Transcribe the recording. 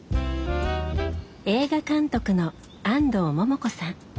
映画監督の安藤桃子さん。